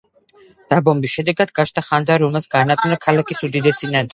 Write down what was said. დაბომბვის შედეგად გაჩნდა ხანძარი, რომელმაც გაანადგურა ქალაქის უდიდესი ნაწილი.